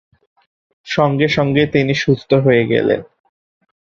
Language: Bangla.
সঙ্গে সঙ্গে তিনি সুস্থ হয়ে গেলেন।